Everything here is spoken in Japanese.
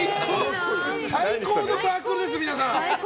最高のサークルですよ皆さん！